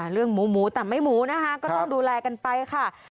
เรื่องหมูหมูแต่ไม่หมูนะคะก็ต้องดูแลกันไปค่ะ